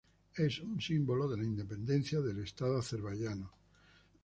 Es un símbolo de la independencia del Estado azerbaiyano.